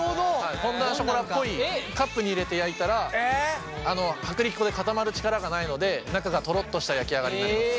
フォンダンショコラっぽいカップに入れて焼いたら薄力粉で固まる力がないので中がトロッとした焼き上がりになります。